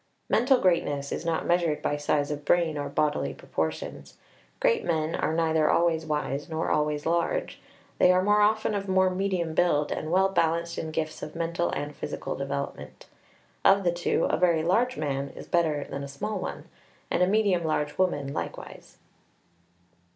Mental greatness is not measured by size of brain or bodily proportions. Great men are neither always wise nor always large; they are more often of more medium build, and well balanced in gifts of mental and physical development. Of the two, a very large man is better than a small one, and a medium large woman likewise.